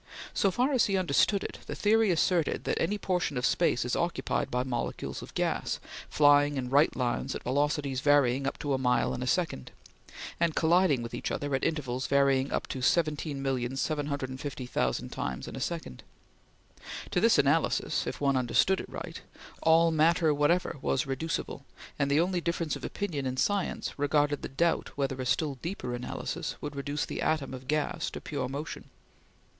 So far as he understood it, the theory asserted that any portion of space is occupied by molecules of gas, flying in right lines at velocities varying up to a mile in a second, and colliding with each other at intervals varying up to 17,750,000 times in a second. To this analysis if one understood it right all matter whatever was reducible, and the only difference of opinion in science regarded the doubt whether a still deeper analysis would reduce the atom of gas to pure motion.